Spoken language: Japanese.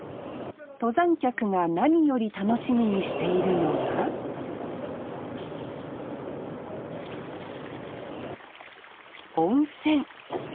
登山客が何より楽しみにしているのが温泉。